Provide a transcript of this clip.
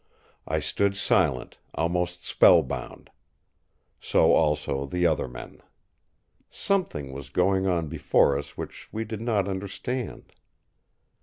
I stood silent, almost spellbound; so also the other men. Something was going on before us which we did not understand!